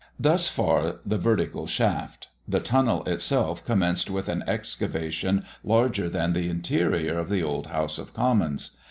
Thus far the vertical shaft: the tunnel itself commenced with an excavation larger than the interior of the old House of Commons.